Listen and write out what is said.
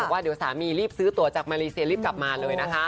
ว่าเดี๋ยวสามีรีบซื้อตัวจากมาเลเซียรีบกลับมาเลยนะคะ